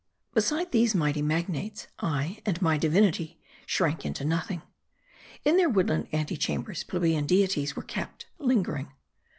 Beside these mighty magnates, I and my divinity shrank into nothing. In their woodland ante chambers plebeian deities were kept lingering.